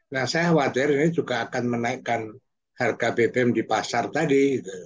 nah saya khawatir ini juga akan menaikkan harga bbm di pasar tadi